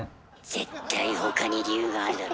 絶対他に理由があるだろ。